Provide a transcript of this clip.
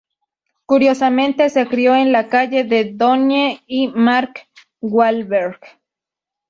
Curiosamente, se crio en la calle de Donnie y Mark Wahlberg.